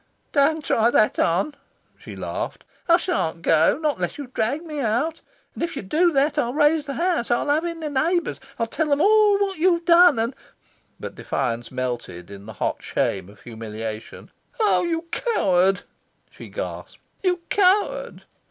"Don't try that on!" she laughed. "I shan't go not unless you drag me out. And if you do that, I'll raise the house. I'll have in the neighbours. I'll tell them all what you've done, and " But defiance melted in the hot shame of humiliation. "Oh, you coward!" she gasped. "You coward!"